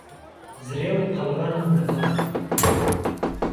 زرێ و قهلغان و مهتاڵ